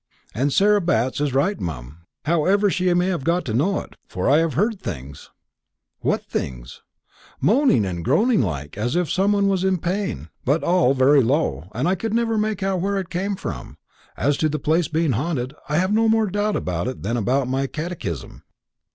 And Sarah Batts is right, mum, however she may have got to know it; for I have heard things." "What things?" "Moaning and groaning like, as if it was some one in pain; but all very low; and I never could make out where it came from. But as to the place being haunted, I've no more doubt about it than about my catechism."